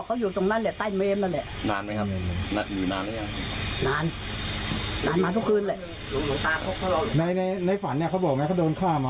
ก็ไงไม่ได้บอกแค่นั้น